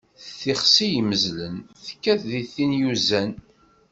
Tixsi yimmezlen, tekkat di tin uzan.